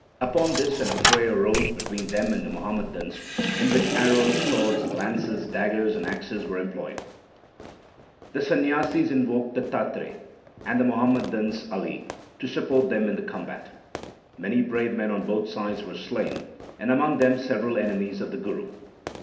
Upon this an affray arose between them and the Muhammadans, in which arrows, swords, lances, daggers, and axes were employed. The Sanyasis invoked Dattatre, 1 and the Muham madans Ali 2 to support them in the combat. Many brave men on both sides were slain, and among them several enemies of the Guru.